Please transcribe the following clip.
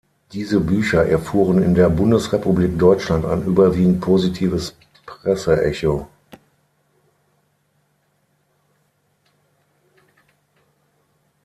Diese Bücher erfuhren in der Bundesrepublik Deutschland ein überwiegend positives Presseecho.